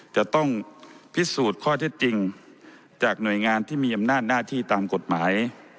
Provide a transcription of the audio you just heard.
จะต้องพิสูจน์ข้อเท็จจริงจากหน่วยงานที่มีอำนาจหน้าที่ตามกฎหมาย